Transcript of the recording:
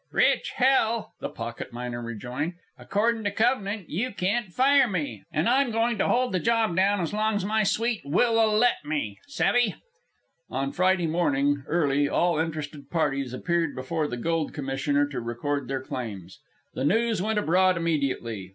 "Rich, hell!" the pocket miner rejoined. "Accordin' to covenant, you can't fire me; and I'm goin' to hold the job down as long as my sweet will'll let me. Savve?" On Friday morning, early, all interested parties appeared before the Gold Commissioner to record their claims. The news went abroad immediately.